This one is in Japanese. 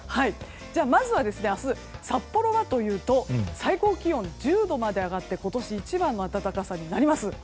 まずは、明日札幌はというと最高気温１０度まで上がって今年一番の暖かさになります。